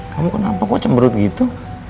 kamu kenapa kok cemberut gitu